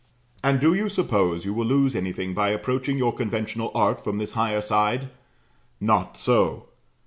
And do you suppose you will lose anything by approaching your conventional art from this higher side? Not so.